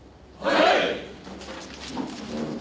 はい！